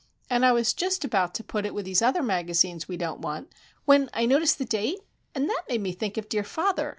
And I was just about to put it with these other magazines we don't want,—when I noticed the date, and that made me think of dear father.